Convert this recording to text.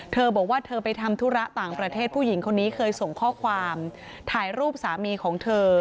เธอบอกว่าเธอไปทำธุระต่างประเทศผู้หญิงคนนี้เคยส่งข้อความถ่ายรูปสามีของเธอ